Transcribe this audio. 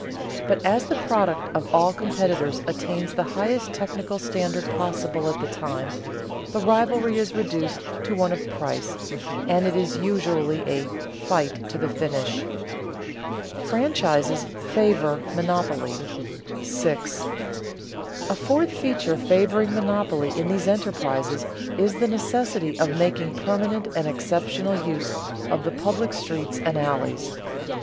But as the product of all competitors attains the highest technical standard possible at the time, the rivalry is reduced to one of price, and it is usually a "fight to the finish." [Sidenote: Franchises favor monopoly] 6. _A fourth feature favoring monopoly in these enterprises is the necessity of making permanent and exceptional use of the public streets and alleys.